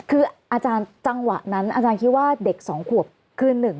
คืออาจารย์จังหวะนั้นอาจารย์คิดว่าเด็ก๒ขวบคืน๑